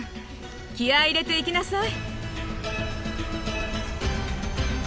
気合い入れていきなさい！